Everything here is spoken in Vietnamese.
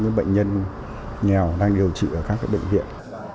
những bệnh nhân nghèo đang điều trị ở các bệnh viện